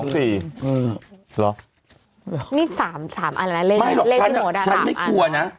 นี่๓อันแล้วนะ